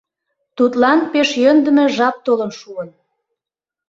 Тудлан пеш йӧндымӧ жап толын шуын.